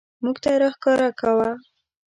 موږ ته راښکاره کاوه.